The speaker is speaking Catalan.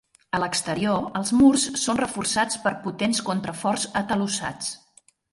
A l'exterior els murs són reforçats per potents contraforts atalussats.